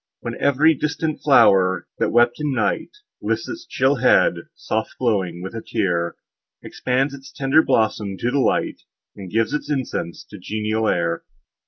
When ev'ry infant flower, that wept in night, Lifts its chill head soft glowing with a tear, Expands its tender blossom to the light, And gives its incense to the genial air.